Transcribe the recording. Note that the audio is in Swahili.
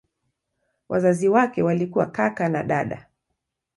Wazazi wake walikuwa kaka na dada.